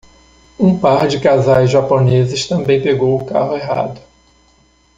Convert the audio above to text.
Um par de casais japoneses também pegou o carro errado